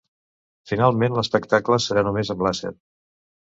Finalment l’espectacle serà només amb làser.